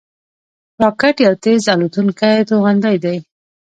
راکټ یو تېز الوتونکی توغندی دی